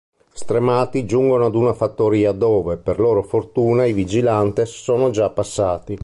Stremati, giungono ad una fattoria dove, per loro fortuna, i vigilantes sono già passati.